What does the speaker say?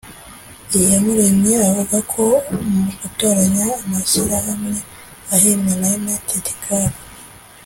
Iyamuremye avuga ko mu gutoranya amashyirahamwe ahembwa na Unity Club